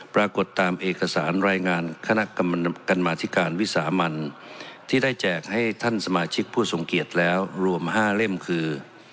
ปรากฏตามเอกสารรายงานคณะกรรมการมาธิการวิสามันที่ได้แจกให้ท่านสมาชิกผู้ทรงเกียจแล้วรวม๕เล่มคือ